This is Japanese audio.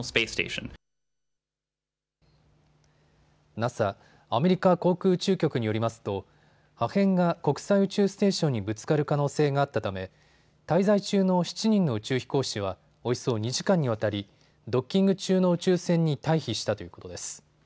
ＮＡＳＡ・アメリカ航空宇宙局によりますと破片が国際宇宙ステーションにぶつかる可能性があったため滞在中の７人の宇宙飛行士はおよそ２時間にわたりドッキング中の宇宙船に退避したということです。